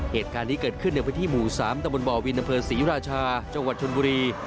เหตุการณ์ที่เกิดขึ้นในพื้นที่หมู่๓ตมบวินนศรีราชาจังหวัดชนบุรี